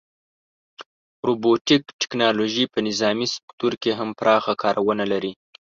روبوټیک ټیکنالوژي په نظامي سکتور کې هم پراخه کارونه لري.